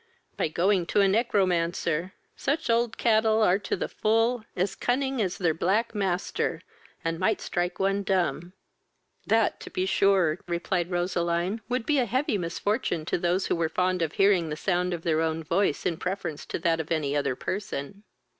"By going to a negromancer. Such old cattle are to the full as cunning as their black master, and might strike one dumb." "That, to be sure, (replied Roseline,) would be a heavy misfortune to those who were fond of hearing the sound of their own voice in preference to that of any other person."